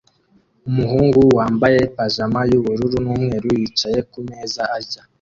Umuhungu wambaye pajama yubururu n'umweru yicaye kumeza arya